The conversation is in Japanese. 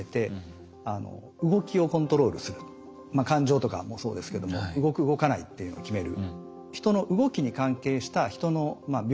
感情とかもそうですけども動く動かないっていうのを決める。